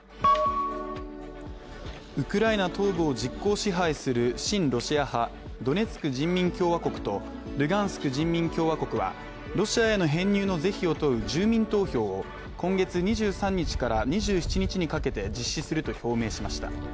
ウクライナ東部を実効支配する親ロシア派、ドネツク人民共和国とルガンスク人民共和国はロシアへの編入の是非を問う住民投票を今月２３日から２７日にかけて実施すると表明しました。